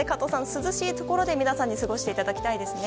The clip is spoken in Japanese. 涼しいところで、皆さんに過ごしていただきたいですね。